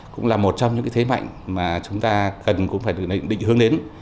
cũng là một trong những thế mạnh mà chúng ta cần cũng phải định hướng đến